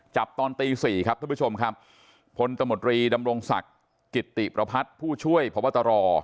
ตอนตีสี่ครับท่านผู้ชมครับพลตมตรีดำรงศักดิ์กิติประพัทธ์ผู้ช่วยพบตร